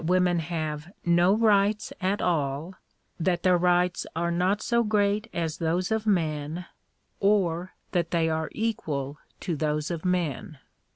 women have no rights at all — that their rights are not so great as those of men — or that they are equal to those of men.